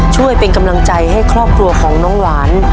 ช่วยเป็นกำลังใจให้ครอบครัวของน้องหวาน